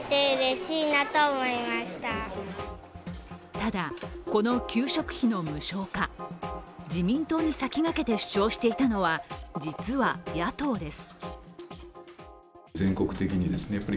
ただ、この給食費の無償化、自民党に先駆けて主張していたのは、実は野党です。